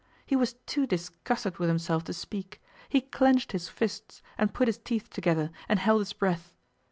He was too disgusted with himself to speak. He clenched his fists, and put his teeth together, and held his breath.